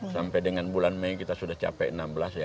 sampai dengan bulan mei kita sudah capai enam belas ya mudah mudahan